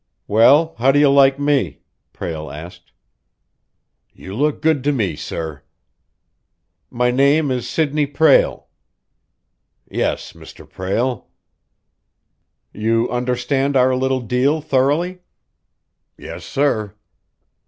"Well, how do you like me?" Prale asked. "You look good to me, sir." "My name is Sidney Prale." "Yes, Mr. Prale." "You understand our little deal thoroughly?" "Yes, sir."